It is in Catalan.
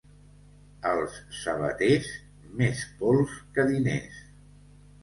Els sabaters, més pols que diners.